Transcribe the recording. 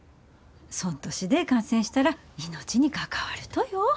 そん年で感染したら命に関わるとよ。